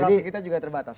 durasi kita juga terbatas